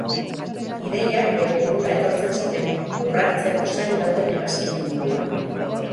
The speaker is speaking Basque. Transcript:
Ideiak bere burura etortzen ziren, lurrartzeko zain dauden hegazkinen moduan.